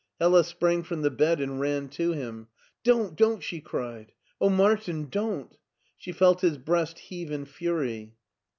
Hella sprang from the bed and ran to him. " Don't, don't!" she cried. "Oh, Martin, don't!" She felt his breast heave in fury.